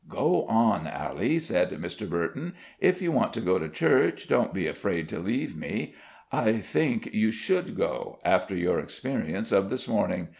"Go on, Allie," said Mr. Burton. "If you want to go to church, don't be afraid to leave me. I think you should go after your experience of this morning.